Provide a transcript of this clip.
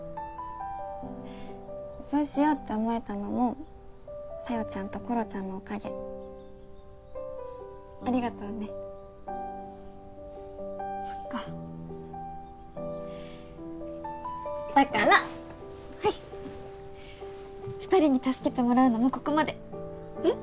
そうしようって思えたのも小夜ちゃんところちゃんのおかげありがとうねそっかだからはい２人に助けてもらうのもここまでえっ？